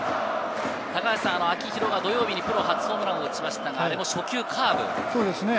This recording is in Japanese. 秋広が土曜日にプロ初ホームランを打ちましたが、あれも初球カーブ。